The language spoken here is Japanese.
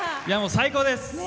最高です！